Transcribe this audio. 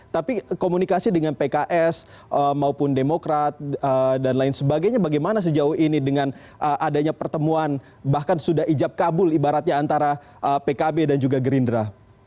tapi komunikasi dengan pks maupun demokrat dan lain sebagainya bagaimana sejauh ini dengan adanya pertemuan bahkan sudah ijab kabul ibaratnya antara pkb dan juga gerindra